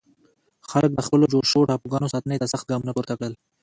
خلک د خپلو جوړ شوو ټاپوګانو ساتنې ته سخت ګامونه پورته کړل.